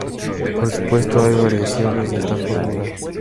Por supuesto hay variaciones de esta fórmula.